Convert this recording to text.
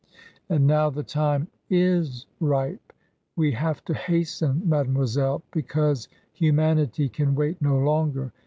"And now the time is ripe. We have to hasten, mademoiselle, because humanity can wait no longer.